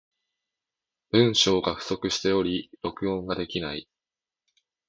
文章が不足しており、録音ができない。